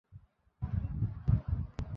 ওটা জ্ঞান হলে দেখতে পাওয়া যায়।